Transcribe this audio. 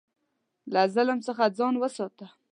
له ظلم څخه ځان وساته.